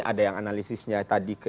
ada yang analisisnya tadi ke